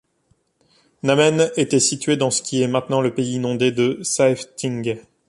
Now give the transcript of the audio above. Namen était situé dans ce qui est maintenant le pays inondé de Saeftinghe.